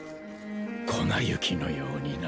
粉雪のようにな。